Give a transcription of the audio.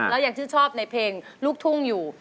แล้วยังชื่นชอบในเพลงลูกทุ่งอยู่